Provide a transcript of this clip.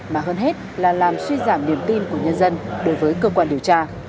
mà hơn hết là làm suy giảm niềm tin của nhân dân đối với cơ quan điều tra